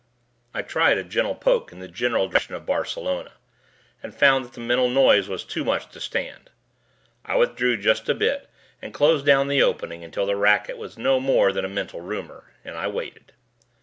I tried a gentle poke in the general direction of Barcelona and found that the mental noise was too much to stand. I withdrew just a bit and closed down the opening until the racket was no more than a mental rumor, and I waited.